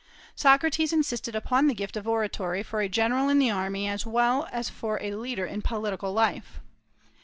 Socrates insisted upon the gift of oratory for a general in the army as well as for a leader in political life.